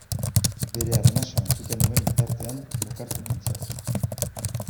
Bere arnasa entzuten nuen bitartean lokartu nintzen.